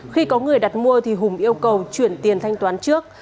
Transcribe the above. khi có người đặt mua thì hùng yêu cầu chuyển tiền thanh toán trước